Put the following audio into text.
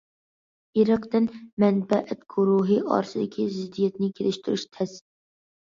ئېرىق، دىن، مەنپەئەت گۇرۇھى ئارىسىدىكى زىددىيەتنى كېلىشتۈرۈش تەس.